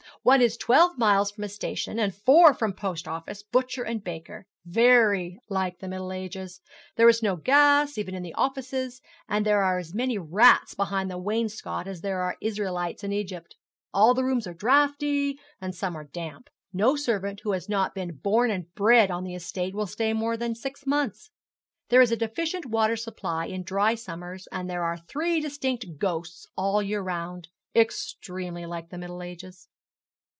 One is twelve miles from a station, and four from post office, butcher, and baker. Very like the Middle Ages. There is no gas even in the offices, and there are as many rats behind the wainscot as there were Israelites in Egypt. All the rooms are draughty and some are damp. No servant who has not been born and bred on the estate will stay more than six months. There is a deficient water supply in dry summers, and there are three distinct ghosts all the year round. Extremely like the Middle Ages.'